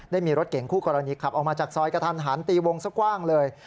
ได้มีรถเก่งคู่กรณีขับออกมาจากซอยกระทันหันตีวงสักกว้างเลย